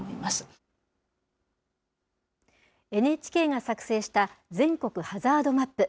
ＮＨＫが作成した全国ハザードマップ。